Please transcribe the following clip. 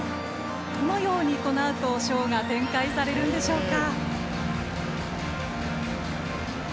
どのように、このあとショーが展開されるんでしょうか。